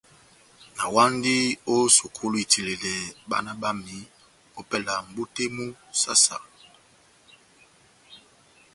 Nawandi ó sukulu itiledɛ bána bámi ópɛlɛ mʼbú tɛ́h mú saha-saha.